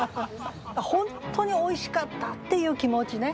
本当においしかったっていう気持ちね。